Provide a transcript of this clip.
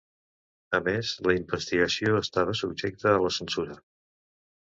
A més, la investigació estava subjecta a la censura.